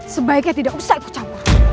sebaiknya tidak usah aku campur